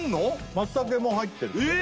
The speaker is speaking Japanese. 松茸も入ってるえ！